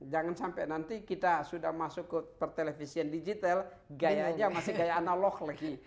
jangan sampai nanti kita sudah masuk ke pertelevisian digital gayanya masih gaya analog lagi